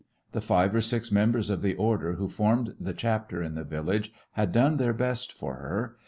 The five or six members of the order who formed the chapter in the village had done their best for her.